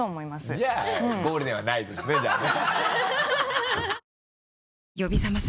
じゃあゴールデンはないですねじゃあね。